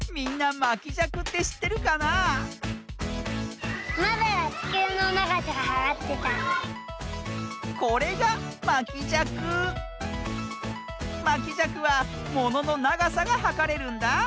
まきじゃくはもののながさがはかれるんだ。